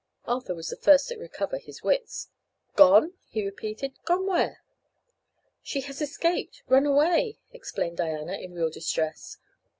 Arthur was the first to recover his wits. "Gone!" he repeated; "gone where?" "She had escaped run away!" explained Diana, in real distress.